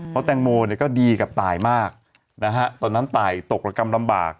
เพราะแตงโมก็ดีกับตายมากตอนนั้นตายตกกับกรรมบาก